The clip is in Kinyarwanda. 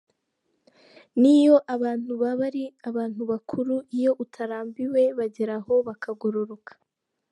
Niyo abantu baba ari abantu bakuru, iyo utarambiwe bagera aho bakagororoka.